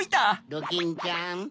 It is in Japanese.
ドキンちゃん。